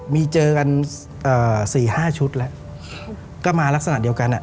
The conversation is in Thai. มีเจอกันเอ่อสี่ห้าชุดแล้วครับก็มาลักษณะเดียวกันอ่ะ